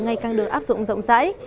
ngày càng được áp dụng rộng rãi